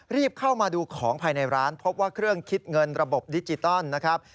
รีบเข้ามาดูของภายในร้านพบว่าเครื่องคิดเงินระบบดิจิตอลนะครับ